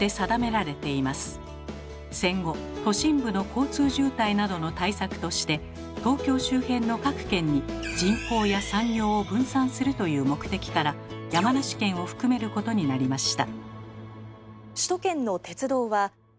戦後都心部の交通渋滞などの対策として東京周辺の各県に人口や産業を分散するという目的から山梨県を含めることになりました。